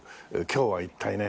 今日は一体ね